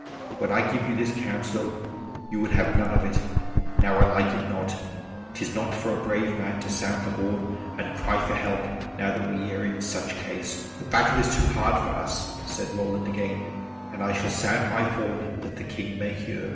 When I gave you this counsel you would have none of it. Now I like it not. 'Tis not for a brave man to sound the horn and cry for help now that we are in such case." "The battle is too hard for us," said Roland again, "and I shall sound my horn, that the King may hear."